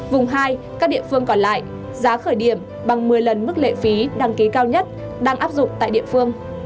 vùng hai các địa phương còn lại giá khởi điểm bằng một mươi lần mức lệ phí đăng ký cao nhất đang áp dụng tại địa phương